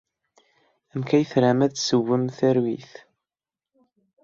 Amek ay tram ad d-tessewwem tarwit?